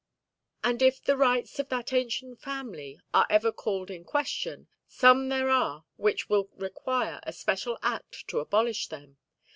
And if the rights of that ancient family are ever called in question, some there are which will require a special Act to abolish them.